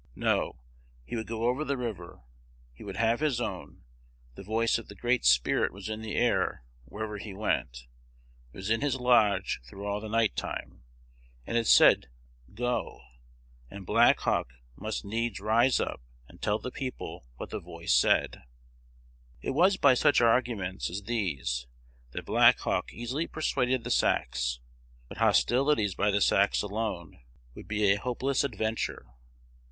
No: he would go over the river, he would have his own; the voice of the Great Spirit was in the air wherever he went; it was in his lodge through all the night time, and it said "Go;" and Black Hawk must needs rise up and tell the people what the voice said. 1 Schoolcraft's History of the Indian Tribes. It was by such arguments as these that Black Hawk easily persuaded the Sacs. But hostilities by the Sacs alone would be a hopeless adventure.